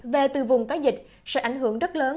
về từ vùng có dịch sẽ ảnh hưởng rất lớn